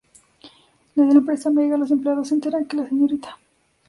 En la empresa Mega, los empleados se enteran que la Srta.